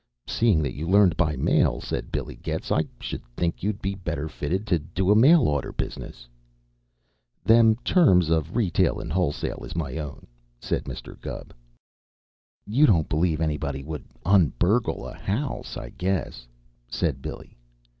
"Seeing that you learned by mail," said Billy Getz, "I should think you'd be better fitted to do a mail order business." "Them terms of retail and wholesale is my own," said Mr. Gubb. "You don't believe anybody would un burgle a house, I guess," said Billy.